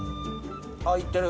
あっいってる。